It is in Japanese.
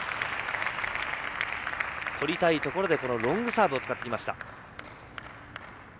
取りたいところでロングサーブを使ってきました。